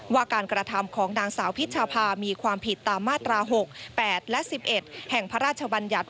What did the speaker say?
ว่าการกระทำของนางสาวพิชภามีความผิดตามมาตรา๖๘และ๑๑แห่งพระราชบัญญัติ